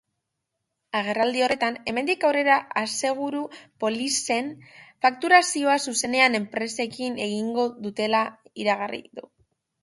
Agerraldi horretan, hemendik aurrera aseguru-polizen fakturazioa zuzenean enpresekin egingo dutela iragarri du.